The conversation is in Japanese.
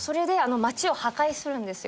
それで街を破壊するんですよ